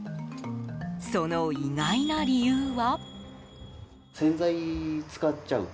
その意外な理由は？